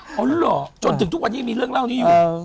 อ๋อเหรอจนถึงทุกวันนี้มีเรื่องเล่านี้อยู่